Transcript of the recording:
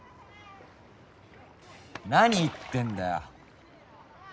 何言ってんだよ！